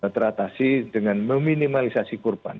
teratasi dengan meminimalisasi kurban